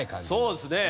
そうですね。